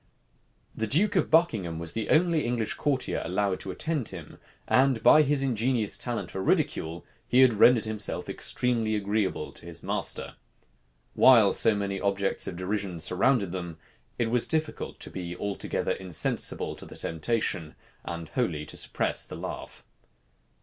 The duke of Buckingham was the only English courtier allowed to attend him; and by his ingenious talent for ridicule, he had rendered himself extremely agreeable to his master. While so many objects of derision surrounded them, it was difficult to be altogether insensible to the temptation, and wholly to suppress the laugh.